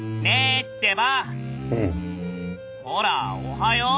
ほらおはよう。